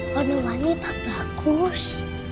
kondolani pak bagus